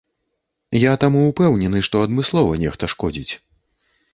Я таму ўпэўнены, што адмыслова нехта шкодзіць.